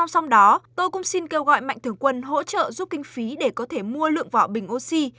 xong đó tôi cũng xin kêu gọi mạnh thường quân hỗ trợ giúp kinh phí để có thể mua lượng vỏ bình oxy